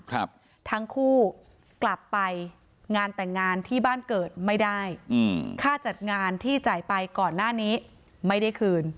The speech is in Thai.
ครับทั้งคู่กลับไปงานแต่งงานที่บ้านเกิดไม่ได้อืมค่าจัดงานที่จ่ายไปก่อนหน้านี้ไม่ได้คืน